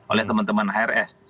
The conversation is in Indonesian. oleh teman teman hrs